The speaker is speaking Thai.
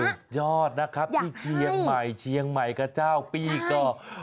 สุดยอดนะครับที่เชียงใหม่เจ้าปี่ก็